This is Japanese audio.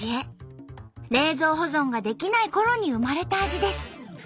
冷蔵保存ができないころに生まれた味です。